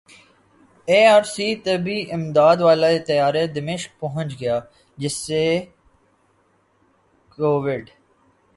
ای R C طبی امداد والا طیارہ دمشق پہنچ گیا جس سے کوویڈ